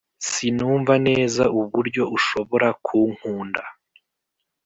sinumva neza uburyo ushobora kunkunda